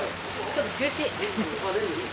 ちょっと中止。